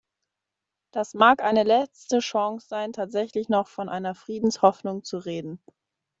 Das mag eine letzte Chance sein, tatsächlich noch von einer Friedenshoffnung zu reden.